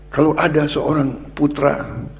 kalau ada seorang putra